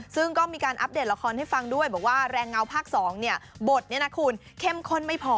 ซึ่งก็มีการอัปเดตละครให้ฟังด้วยบอกว่าแรงเงาภาค๒บทนี้นะคุณเข้มข้นไม่พอ